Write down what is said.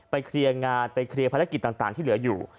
เคลียร์งานไปเคลียร์ภารกิจต่างที่เหลืออยู่